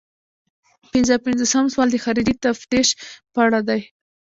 پنځه پنځوسم سوال د خارجي تفتیش په اړه دی.